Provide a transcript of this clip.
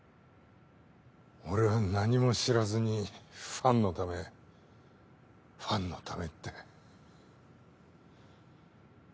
俺は何も知らずにファンのためファンのためって。